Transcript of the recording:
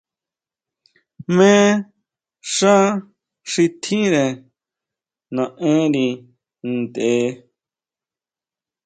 Jmé xá xi tjínre naʼenri ntʼe.